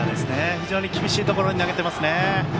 非常に厳しいところに投げていますね。